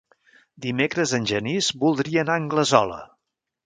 Dimecres en Genís voldria anar a Anglesola.